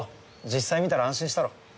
実際見たら安心したろ？